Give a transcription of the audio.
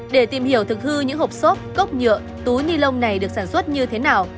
để tìm hiểu thực hư những hộp xốp cốc nhựa túi ni lông này được sản xuất như thế nào